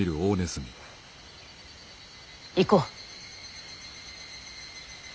行こう。